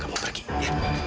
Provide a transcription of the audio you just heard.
kamu pergi ya